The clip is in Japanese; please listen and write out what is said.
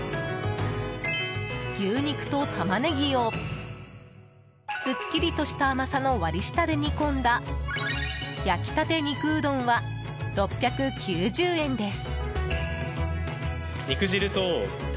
牛肉とタマネギをすっきりとした甘さの割り下で煮込んだ焼きたて肉うどんは６９０円です。